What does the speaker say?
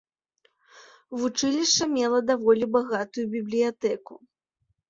Вучылішча мела даволі багатую бібліятэку.